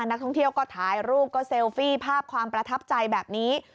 นักท่องเที่ยวก็ถ่ายรูปก็เซลฟี่ภาพความประทับใจแบบนี้